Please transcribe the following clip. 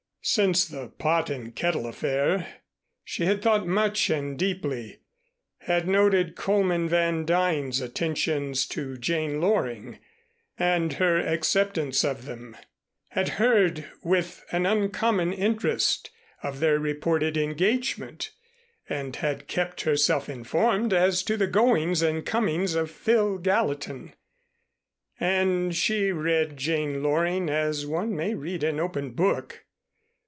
Since the "Pot and Kettle" affair she had thought much and deeply, had noted Coleman Van Duyn's attentions to Jane Loring, and her acceptance of them, had heard with an uncommon interest of their reported engagement and had kept herself informed as to the goings and comings of Phil Gallatin. And she read Jane Loring as one may read an open book.